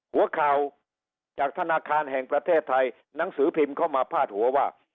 หัวข่าวจากธนาคารแห่งประเทศไทยหนังสือพิมพ์เข้ามาพาดหัวว่า